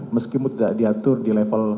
meskipun tidak diatur di level